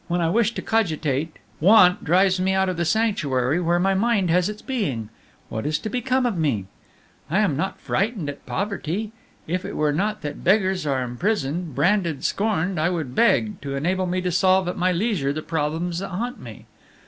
When I wish to cogitate, want drives me out of the sanctuary where my mind has its being. What is to become of me? "I am not frightened at poverty. If it were not that beggars are imprisoned, branded, scorned, I would beg, to enable me to solve at my leisure the problems that haunt me.